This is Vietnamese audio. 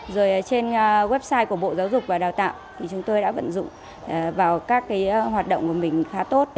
rồi trên website của bộ giáo dục và đào tạo thì chúng tôi đã vận dụng vào các hoạt động của mình khá tốt